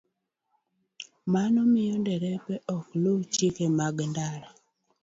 Mano miyo derepe ok luw chike mag ndara.